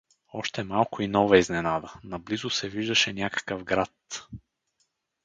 Още малко, и нова изненада: наблизо се виждаше някакъв град.